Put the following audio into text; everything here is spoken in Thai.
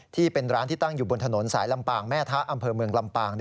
ที่เป็นร้านที่ตั้งอยู่บนถนนสายลำปางแม่ทะอำเภอเมืองลำปาง